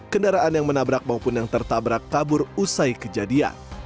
kendaraan yang menabrak maupun yang tertabrak kabur usai kejadian